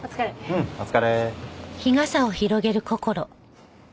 うんお疲れ。